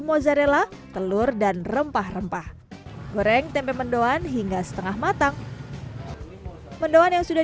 mozzarella telur dan rempah rempah goreng tempe mendoan hingga setengah matang mendoan yang sudah